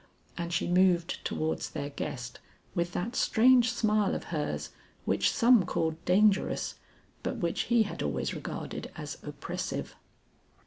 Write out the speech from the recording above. And she moved towards their guest with that strange smile of hers which some called dangerous but which he had always regarded as oppressive.